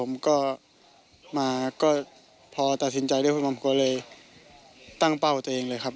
ผมก็มาก็พอตัดสินใจได้พวกผมก็เลยตั้งเป้าตัวเองเลยครับ